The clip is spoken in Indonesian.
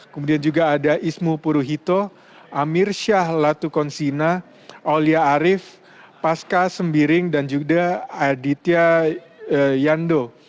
kemudian juga ada ismu puruhito amir syah latukonsina olia arief pasca sembiring dan juga aditya yando